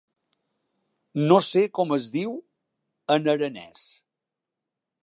No sé com es diu: en aranès.